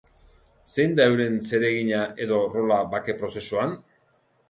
Zein da euren zeregina edo rola bake prozesuan?